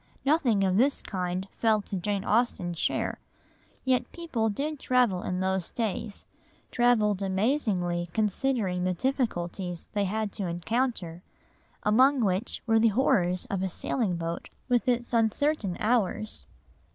Nothing of this kind fell to Jane Austen's share. Yet people did travel in those days, travelled amazingly considering the difficulties they had to encounter, among which were the horrors of a sailing boat with its uncertain hours.